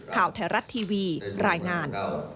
ข่าวไทยรัฐทีวีรายงาน